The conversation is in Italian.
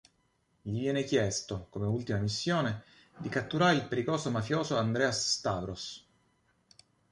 Gli viene chiesto, come ultima missione, di catturare il pericoloso mafioso Andreas Stavros.